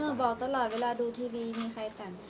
บอกตลอดเวลาดูทีวีมีใครแต่ง